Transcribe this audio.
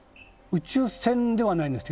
宇宙船ではないです。